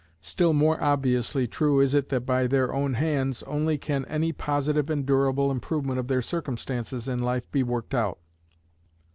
Still more obviously true is it that by their own hands only can any positive and durable improvement of their circumstances in life be worked out.